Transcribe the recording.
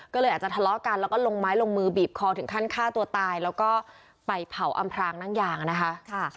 ก็เลยอาจจะทะเลาะกันแล้วก็ลงไม้ลงมือบีบคอถึงขั้นฆ่าตัวตายแล้วก็ไปเผาอำพรางนั่งยางนะคะ